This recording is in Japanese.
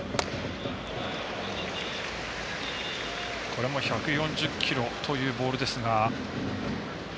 これも１４０キロというボールですが。